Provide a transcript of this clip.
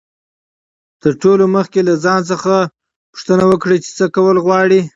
تر ټولو مخکي له ځان څخه پوښتنه وکړئ، چي څه کول غواړئ.